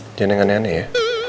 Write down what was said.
jangan yang aneh aneh ya